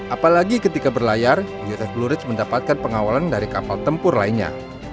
apalagi ketika berlayar us blue ridge mendapatkan pengawalan dari kapal tempur lainnya